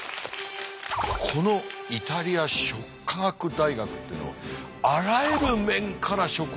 このイタリア食科学大学っていうのはあらゆる面から食を追求していくっていう。